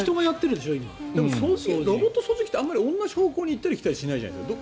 ロボット掃除機って同じ方向に行ったり来たりしないじゃないですか。